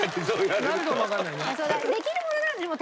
なるかもわかんないね。